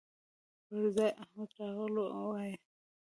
پر ځاى احمد راغلهووايو